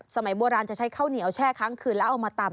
สมัยโบราณจะใช้ข้าวเหนียวแช่ครั้งคืนแล้วเอามาตำ